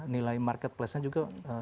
nilai marketplacenya juga